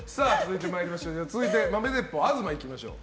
続いて豆鉄砲、東いきましょう。